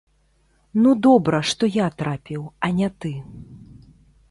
Ну, добра, што я трапіў, а не ты!